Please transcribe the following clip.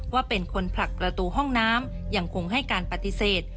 ว่าเป็นคนผลักประตูห้องน้ำยังคงให้การปฏิเสธ